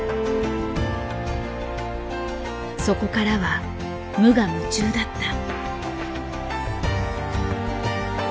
そこからは無我夢中だった。